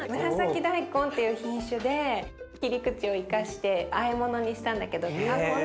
紫大根っていう品種で切り口を生かしてあえものにしたんだけどあっ